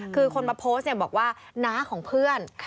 คือคนมาโพสต์บอกว่าน้าของเพื่อน